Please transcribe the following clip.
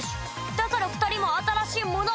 だから２人も新しいものを！